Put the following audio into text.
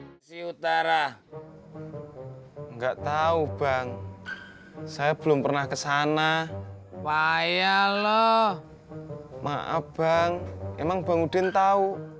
hai si utara enggak tahu bang saya belum pernah ke sana payah loh maaf bang emang bangudin tahu